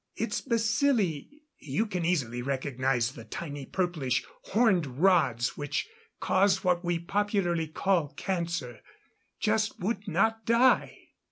Its bacilli you can easily recognize the tiny purplish, horned rods which cause what we popularly call cancer just would not die.